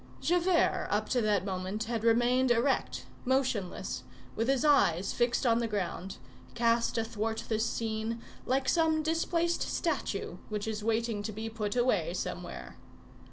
Javert up to that moment had remained erect, motionless, with his eyes fixed on the ground, cast athwart this scene like some displaced statue, which is waiting to be put away somewhere.